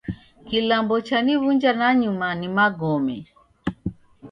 Kilambo chaniw'unja nanyuma ni magome.